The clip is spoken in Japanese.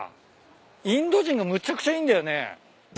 インド人がむちゃくちゃいんだよね。